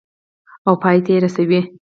او پای ته یې رسوي.